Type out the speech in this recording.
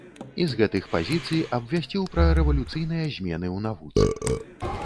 І з гэтых пазіцый абвясціў пра рэвалюцыйныя змены ў навуцы.